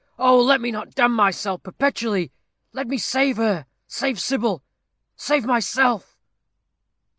"Oh! let me not damn myself perpetually! Let me save her; save Sybil; save myself."